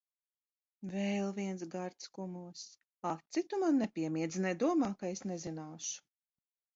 Vēl viens gards kumoss! Aci tu man nepiemiedz! Nedomā, ka es nezināšu.